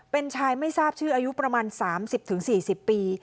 เป็นชายไม่ทราบชื่ออายุประมาณ๓๐๔๐ปี